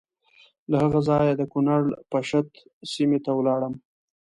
له هغه ځایه د کنړ پَشَت سیمې ته ولاړم.